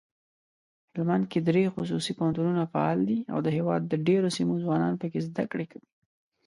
هلمندکې دري خصوصي پوهنتونونه فعال دي اودهیواد دډیروسیمو ځوانان پکښي زده کړه کوي.